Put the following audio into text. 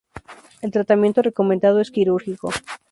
El tratamiento recomendado es quirúrgico.